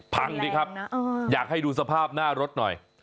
ดิครับอยากให้ดูสภาพหน้ารถหน่อย